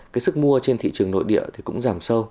cái sức mua trên thị trường nội địa thì cũng giảm sâu